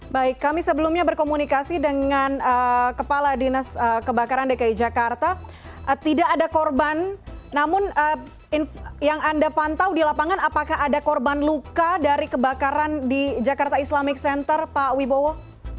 baik kami sebelumnya berkomunikasi dengan kepala dinas kebakaran dki jakarta tidak ada korban namun yang anda pantau di lapangan apakah ada korban luka dari kebakaran di jakarta islamic center pak wibowo